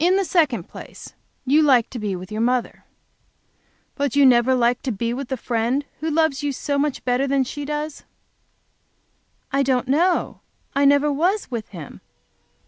"In the second place, you like to be with your mother. But you never like to be with the Friend who loves you so much better than she does?" "I don't know, I never was with Him.